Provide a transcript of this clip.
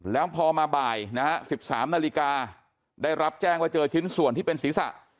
แล้วพอมาบ่ายนะฮะ๑๓นาฬิกาได้รับแจ้งว่าเจอชิ้นส่วนที่เป็นศีรษะ